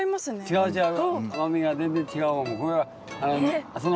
違う違う。